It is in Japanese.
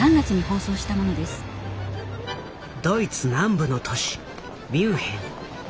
ドイツ南部の都市ミュンヘン。